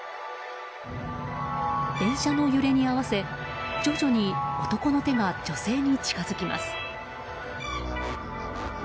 電車の揺れに合わせ徐々に男の手が女性に近づきます。